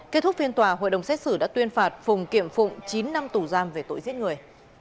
kết thúc phiên tòa hội đồng xét xử đã tuyên phạt phùng kiểm phụng chín năm tù giam về tội giết người